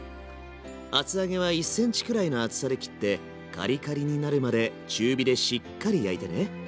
厚揚げは１ｃｍくらいの厚さで切ってカリカリになるまで中火でしっかり焼いてね。